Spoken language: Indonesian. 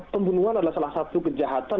pembunuhan adalah salah satu kejahatan